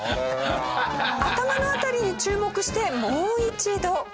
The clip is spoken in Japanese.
頭の辺りに注目してもう一度。